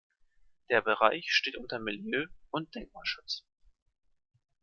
Der Bereich steht unter Milieu- und Denkmalschutz.